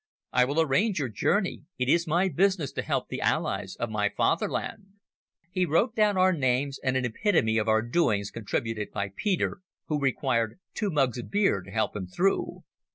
I will arrange your journey. It is my business to help the allies of my fatherland." He wrote down our names and an epitome of our doings contributed by Peter, who required two mugs of beer to help him through.